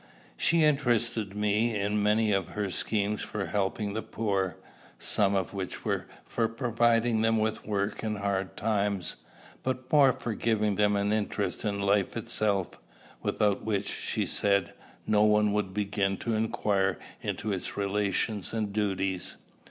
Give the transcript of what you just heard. She interested me in many of her schemes for helping the poor; some of which were for providing them with work in hard times, but more for giving them an interest in life itself, without which, she said, no one would begin to inquire into its relations and duties.